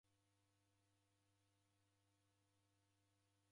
Wadaniw'anga mao.